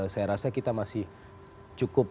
saya rasa kita masih cukup